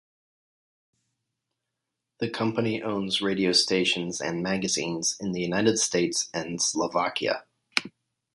The company owns radio stations and magazines in the United States and Slovakia.